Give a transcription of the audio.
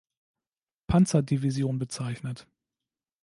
Panzerdivision“ bezeichnet.